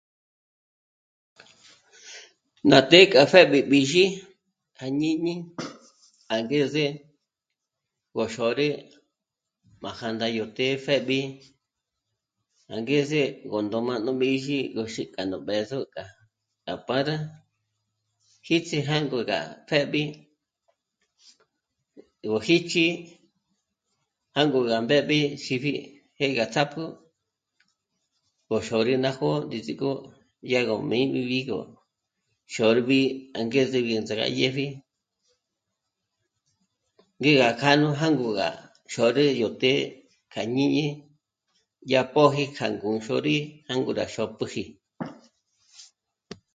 Ná të́'ë kja péb'i b'ízhi à jñíñi angeze k'o xôre pa jā̂ndā yó të́'ë pjébi, angeze gó ndomá nú b'ízhi yó xík'a nú b'ë̌zo kja pâra jíts'i jângo rá pjébi, gó jích'i jângo gá b'épji xípji ngé gá ts'ápjü k'o xôri ná jó'o ndízik'o dyá gó m'íñibi gó xôrbi angezeb'e záya dyépji. Ngé gá kjâ'a nú jângo gá xôrü yó të́'ë kja jñíni yá póji kja ngú xôri jângo rá xôpt'uji